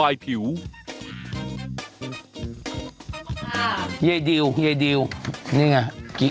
เยดิวเยดิวนี่ไง